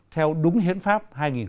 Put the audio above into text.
theo đúng hiến pháp hai nghìn một mươi ba